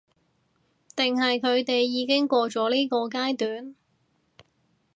定係佢哋已經過咗呢個階段？